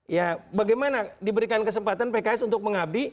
ya bagaimana diberikan kesempatan pks untuk mengabdi